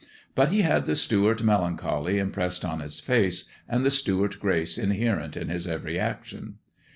But he had tho Stewart melancholy impressed on his face, and the Stewart grace inherent in his every action.